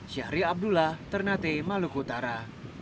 syahri abdullah ternate maluku utara